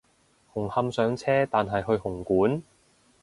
紅磡上車但係去紅館？